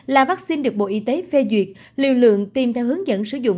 là vaccine được bộ y tế phê duyệt liều lượng tiêm theo hướng dẫn sử dụng